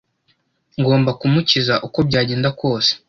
Ngomba kumukiza uko byagenda kose.